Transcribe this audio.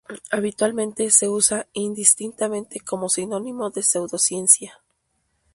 Habitualmente, se usa indistintamente como sinónimo de "pseudociencia".